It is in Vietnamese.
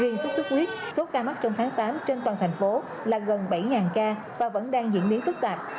riêng sốt xuất huyết số ca mắc trong tháng tám trên toàn thành phố là gần bảy ca và vẫn đang diễn biến phức tạp